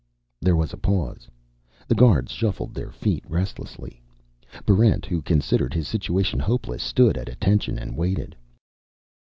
There was a pause. The guards shuffled their feet restlessly. Barrent, who considered his situation hopeless, stood at attention and waited.